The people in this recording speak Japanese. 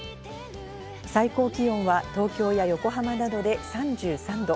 最高気温は東京や横浜などで３３度。